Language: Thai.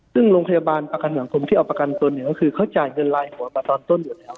ซึ่งโรงพยาบาลประกันสังคมที่เอาประกันตัวเนี่ยก็คือเขาจ่ายเงินลายหัวมาตอนต้นอยู่แล้ว